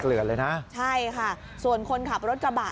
เหลือนเลยนะใช่ค่ะส่วนคนขับรถกระบะ